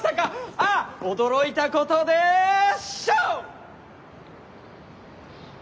あぁ驚いたことでしょう！